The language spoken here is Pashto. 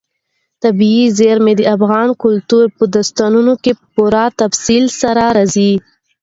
طبیعي زیرمې د افغان کلتور په داستانونو کې په پوره تفصیل سره راځي.